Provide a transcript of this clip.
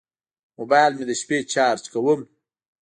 موبایل مې د شپې چارج کوم.